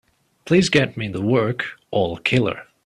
Please get me the work, All Killer.